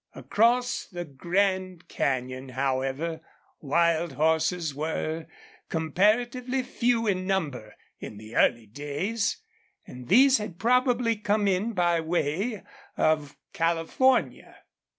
Across the Grand Canyon, however, wild horses were comparatively few in number in the early days; and these had probably come in by way of California.